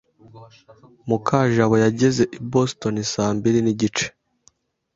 Mukajabo yageze i Boston saa mbiri nigice.